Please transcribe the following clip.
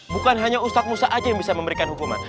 bukan hanya ustadz musa aja yang bisa memberikan hukuman